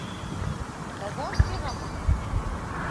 Казанскийғамы?